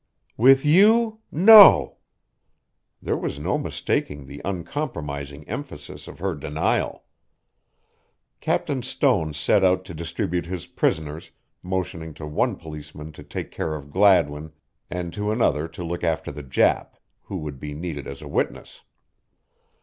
"With you no!" There was no mistaking the uncompromising emphasis of her denial. Captain Stone set out to distribute his prisoners, motioning to one policeman to take care of Gladwin and to another to look after the Jap, who would be needed as a witness.